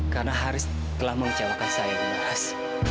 karena haris telah mengecewakan saya ibu laras